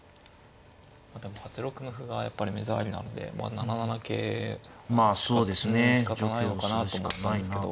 でも８六の歩がやっぱり目障りなので７七桂を使ってしかたないのかなと思ったんですけど。